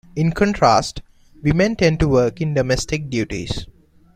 In contrast, women tend to work in domestic duties.